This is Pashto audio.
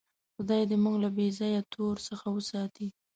خدای دې موږ له بېځایه تور څخه وساتي.